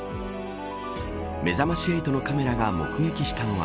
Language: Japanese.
めざまし８のカメラが目撃したのは